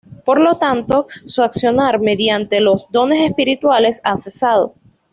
Por lo tanto, su accionar mediante los "dones espirituales" ha cesado.